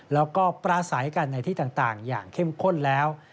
แล้วก็ปราศัยกันในที่ต่างอย่างเข้มข้นแล้ว